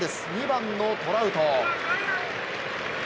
２番のトラウト。